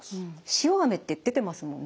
塩あめって出てますもんね。